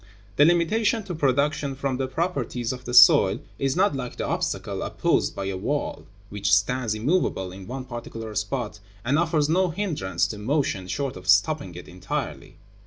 The limitation to production from the properties of the soil is not like the obstacle opposed by a wall, which stands immovable in one particular spot, and offers no hindrance to motion short of stopping it entirely.